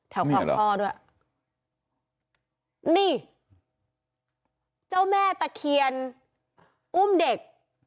คลองท่อด้วยนี่เจ้าแม่ตะเคียนอุ้มเด็ก